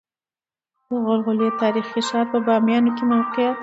دغلغلې تاريخي ښار په باميانو کې موقعيت لري